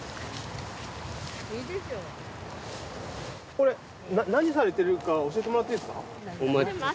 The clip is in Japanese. これ何されてるか教えてもらっていいですか？